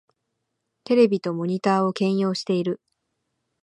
テレビとモニタを兼用してる